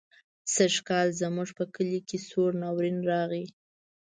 سږکال زموږ په کلي کې سوړ ناورين راغی.